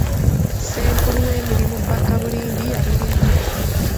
Ssenkulu w'emirimu Bakabulindi yalulimu.